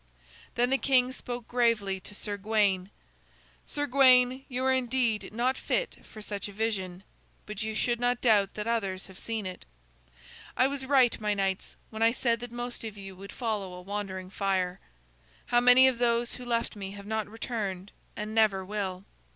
Then the king spoke gravely to Sir Gawain. "Sir Gawain, you are indeed not fit for such a vision, but you should not doubt that others have seen it. I was right, my knights, when I said that most of you would follow a wandering fire. How many of those who left me have not returned, and never will!"